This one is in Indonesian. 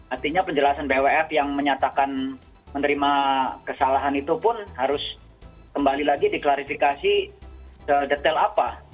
artinya penjelasan bwf yang menyatakan menerima kesalahan itu pun harus kembali lagi diklarifikasi sedetail apa